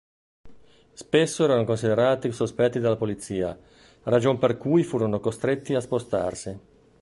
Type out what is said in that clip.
Spesso erano considerati sospetti dalla polizia, ragion per cui furono costretti a spostarsi.